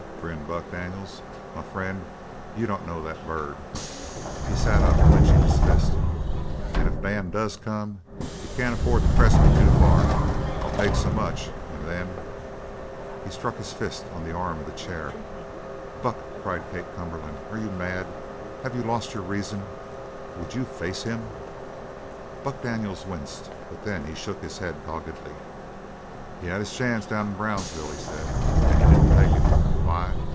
grinned Buck Daniels. "M'frien', you don't know that bird!" He sat up, clenching his fist. "And if Dan does come, he can't affo'd to press me too far! I'll take so much, and then " He struck his fist on the arm of the chair. "Buck!" cried Kate Cumberland. "Are you mad? Have you lost your reason? Would you face him?" Buck Daniels winced, but he then shook his head doggedly. "He had his chance down in Brownsville," he said. "And he didn't take it. Why?